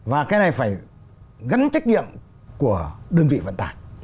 và cái này phải gắn trách nhiệm của đơn vị vận tải